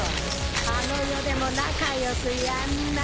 あの世でも仲良くやんな！